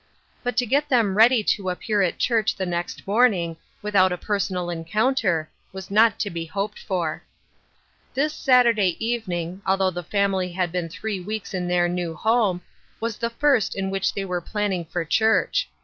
But to get them ready to appear at church the next morning, without a personal encounter, was not to be hoped for This Saturday evening, although the family had been three weeks in their new home, was the first in which the}^ were planning for church.